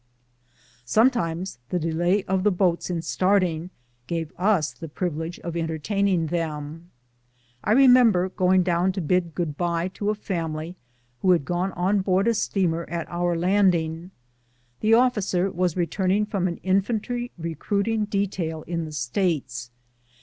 Sometimes the delay of the boats in starting gave us the privilege of entertaining them. I remem ber going down to bid good bye to a family who had gone on board a steamer at our landing. The officer was returning from an infantry recruiting detail in the States.